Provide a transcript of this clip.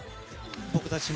僕たちも。